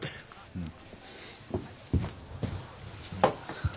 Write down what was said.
うん。